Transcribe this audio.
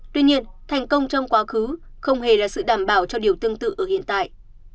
tuy nhiên thành công trong quá khứ không hề là sự đảm bảo cho điều tương tự ở hiện tại